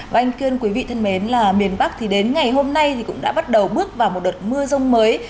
vâng anh kiên quý vị thân mến là miền bắc thì đến ngày hôm nay thì cũng đã bắt đầu bước vào một đợt mưa rông mới